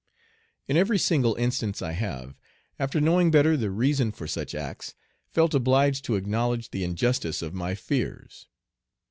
In every single instance I have, after knowing better the reason for such acts, felt obliged to acknowledge the injustice of my fears.